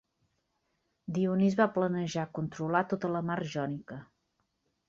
Dionis va planejar controlar tota la Mar Jònica.